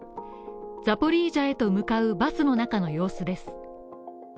ザポリージャへと向かうバスの中の様子です。